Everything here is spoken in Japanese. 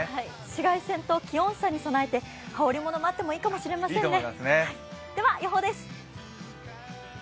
紫外線と気温差に備えて羽織り物があってもいいかもしれませんね。